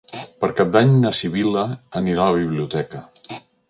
Per Cap d'Any na Sibil·la anirà a la biblioteca.